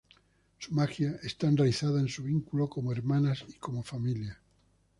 Su magia está enraizada en su vínculo como hermanas y como familia.